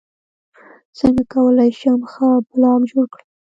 څنګه کولی شم ښه بلاګ جوړ کړم